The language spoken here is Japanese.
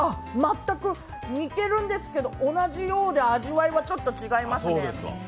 全く、似てるんですけど同じようで味わいはちょっと違いますね。